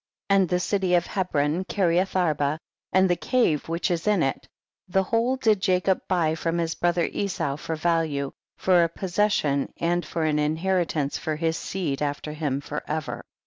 And the city of Hebron Kire ath arba and the cave Avhich is in it, the whole did Jacob buy from his brother Esau for value, for a posses sion and for an inheritance for his seed after him forever.